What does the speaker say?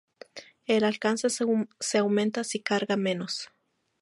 El alcance se aumenta si carga menos.